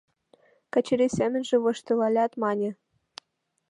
Качырий семынже воштылалят, мане: